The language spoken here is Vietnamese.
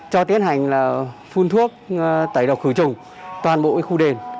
cho tiến hành là phun thuốc tẩy độc khử trùng toàn bộ khu đền